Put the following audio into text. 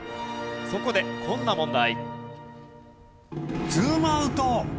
そこでこんな問題。